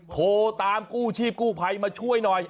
โทรตามกู้ชีพกู้ภัยมาช่วยหน่อย